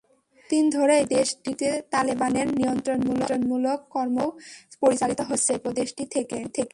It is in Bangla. বহু দিন ধরেই দেশটিতে তালেবানের নিয়ন্ত্রণমূলক কর্মকাণ্ডও পরিচালিত হচ্ছে প্রদেশটি থেকে।